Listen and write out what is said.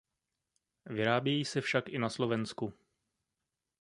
Vyrábějí se však i na Slovensku.